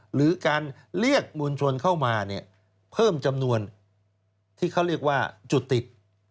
หรือการเรียกมวลชนเพิ่มจำนวนที่เขาเรียกว่าจุติต